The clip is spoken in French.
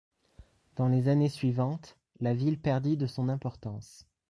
Dans les années suivantes la ville perdit de son importance.